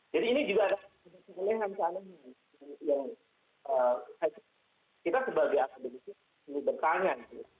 jadi ini juga ada kelelehan kelelehan yang kita sebagai akademi ini bertanya